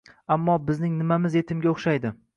— Ammo, bizning nimamiz yetimga o'xshaydi?